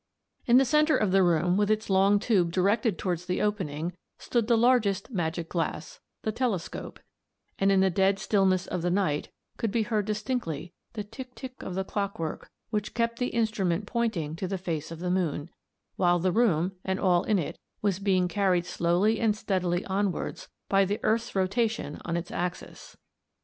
In the centre of the room, with its long tube directed towards the opening, stood the largest magic glass, the TELESCOPE, and in the dead stillness of the night, could be heard distinctly the tick tick of the clockwork, which kept the instrument pointing to the face of the moon, while the room, and all in it, was being carried slowly and steadily onwards by the earth's rotation on its axis.